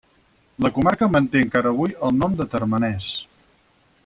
La comarca manté encara avui el nom de Termenès.